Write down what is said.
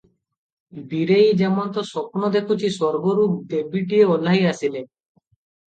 ବୀରେଇ ଯେମନ୍ତ ସ୍ୱପ୍ନ ଦେଖୁଛି ସ୍ୱର୍ଗରୁ ଦେବୀଟିଏ ଓହ୍ଲାଇ ଆସିଲେ ।